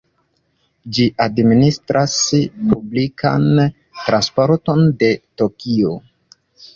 Ĝi administras publikan transporton de Tokio.